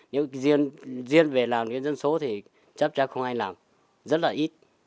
nếu riêng về làm cái dân số thì chắc chắn không ai làm rất là ít